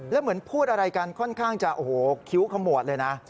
แล้วเหมือนพูดอะไรกันค่อนข้างจะโอ้โหคิ้วขมวดเลยนะ